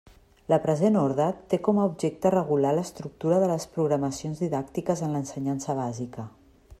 La present orde té com a objecte regular l'estructura de les programacions didàctiques en l'ensenyança bàsica.